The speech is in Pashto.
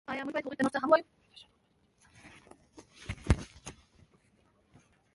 ایا موږ باید هغوی ته نور څه هم ووایو